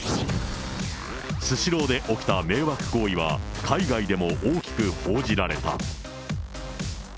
スシローで起きた迷惑行為は、海外でも大きく報じられた。